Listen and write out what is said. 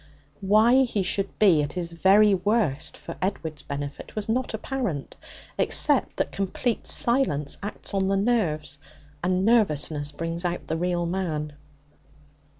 Why he should be at his very worst for Edward's benefit was not apparent, except that complete silence acts on the nerves, and nervousness brings out the real man.